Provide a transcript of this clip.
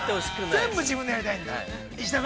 ◆全部自分でやりたいんだ。